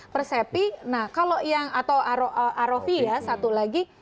persepi atau arofi ya satu lagi